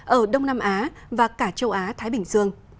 ở đông nam á và cả châu á thái bình dương